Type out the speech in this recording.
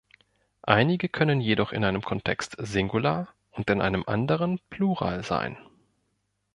Einige können jedoch in einem Kontext Singular und in einem anderen Plural sein.